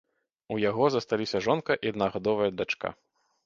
У яго засталіся жонка і аднагадовая дачка.